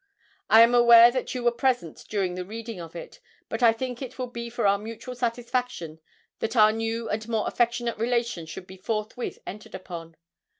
I am aware that you were present during the reading of it, but I think it will be for our mutual satisfaction that our new and more affectionate relations should be forthwith entered upon.